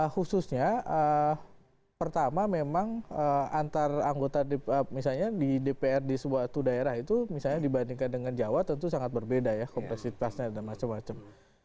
khususnya pertama memang antar anggota misalnya di dpr di sebuah daerah itu misalnya dibandingkan dengan jawa tentu sangat berbeda ya kompleksitasnya dan macam macam